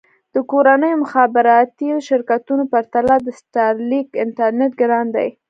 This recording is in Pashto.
د کورنیو مخابراتي شرکتونو پرتله د سټارلېنک انټرنېټ ګران دی.